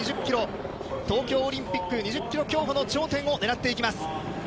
東京オリンピック２０ｋｍ競歩の頂点を狙っていきます。